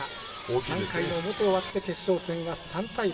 ３回の表終わって決勝戦は３対０。